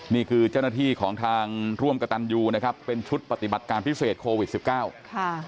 นี่คือเจ้าหน้าที่ของทางร่วมกระตันยูนะครับเป็นชุดปฏิบัติการพิเศษโควิดสิบเก้าค่ะ